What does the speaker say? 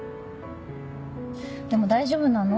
でも大丈夫なの？